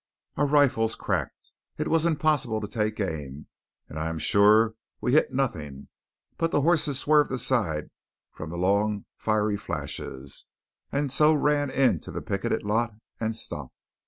Our rifles cracked. It was impossible to take aim; and I am sure we hit nothing. But the horses swerved aside from the long fiery flashes, and so ran into the picketed lot and stopped.